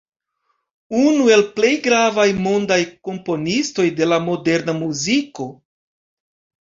Unu el plej gravaj mondaj komponistoj de la moderna muziko.